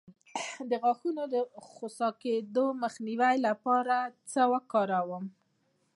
د غاښونو د خوسا کیدو مخنیوي لپاره څه وکاروم؟